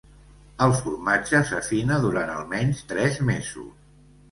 El formatge s'afina durant almenys tres mesos.